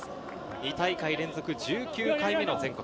２大会連続、１９回目の全国。